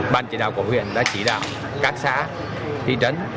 ban chỉ đạo của huyện đã chỉ đạo các xã thị trấn